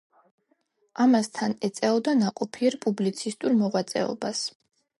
ამასთან, ეწეოდა ნაყოფიერ პუბლიცისტურ მოღვაწეობას.